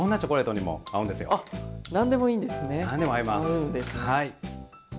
何でも合いますはい。